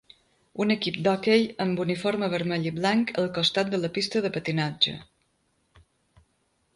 Un equip d'hoquei amb uniforme vermell i blanc al costat de la pista de patinatge.